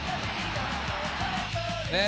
ねえ